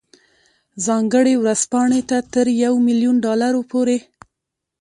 ځانګړې ورځپاڼې ته تر یو میلیون ډالرو پورې.